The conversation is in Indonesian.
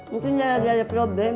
mungkin dia lagi ada problem